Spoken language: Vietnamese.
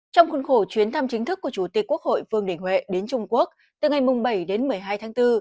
trong khuôn khổ chuyến thăm chính thức của chủ tịch quốc hội vương đình huệ đến trung quốc từ ngày bảy đến một mươi hai tháng bốn